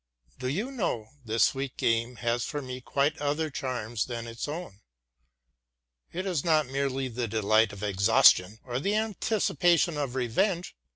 But, do you know, this sweet game has for me quite other charms than its own. It is not merely the delight of exhaustion or the anticipation of revenge.